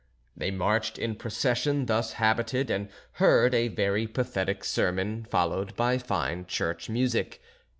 They marched in procession thus habited and heard a very pathetic sermon, followed by fine church music.